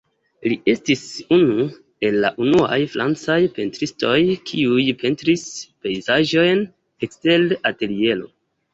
Li estis unu el la unuaj francaj pentristoj kiuj pentris pejzaĝojn ekster ateliero.